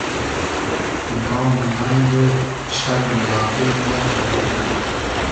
نام و نئنگ و شئرمی آغیل یئگ دئوور